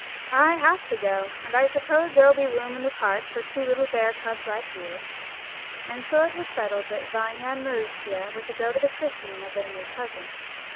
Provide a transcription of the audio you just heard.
"I have to go, and I suppose there'll be room in the cart for two little bear cubs like you." And so it was settled that Vanya and Maroosia were to go to the christening of their new cousin.